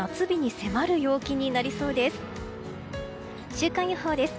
週間予報です。